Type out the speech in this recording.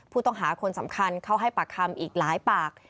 ผู้ต้องหาคนสำคัญเข้าให้ปากคำอีกหลายปาก